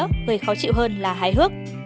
người khó chịu hơn là hài hước